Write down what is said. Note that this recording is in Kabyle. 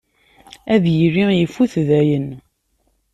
Ad yili ifut dayen.